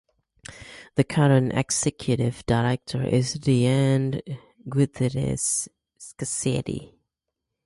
The current Executive Director is Diane Gutierrez-Scaccetti.